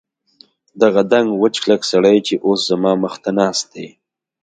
دغه دنګ وچ کلک سړی چې اوس زما مخ ته ناست دی.